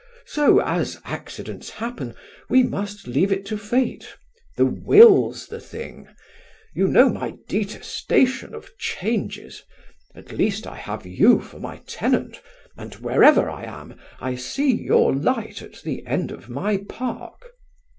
So, as accidents happen, we must leave it to fate. The will's the thing. You know my detestation of changes. At least I have you for my tenant, and wherever I am, I see your light at the end of my park."